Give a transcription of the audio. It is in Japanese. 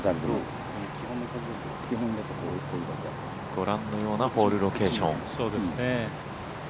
ご覧のようなホールロケーション。